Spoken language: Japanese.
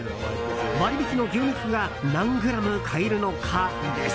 割引の牛肉が何グラム買えるのかです。